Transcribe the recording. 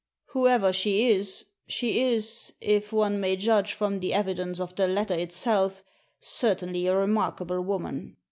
Whoever she is, she is, if one may judge from the evidence of the letter itself, certainly a remarkable woman.